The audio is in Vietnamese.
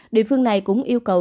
địa phương này cũng yêu cầu